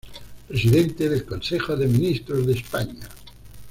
Presidente del Consejo de Ministros de España